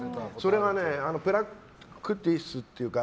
それがねプラクティスっていうか